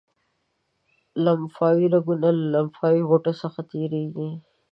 لمفاوي رګونه له لمفاوي غوټو څخه تیریږي.